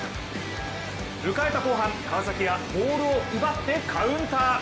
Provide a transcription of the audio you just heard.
迎えた後半、川崎はボールを奪ってカウンター。